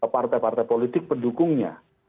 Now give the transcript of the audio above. partai partai politik pendukungnya